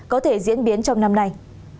có thể diễn biến trong năm nay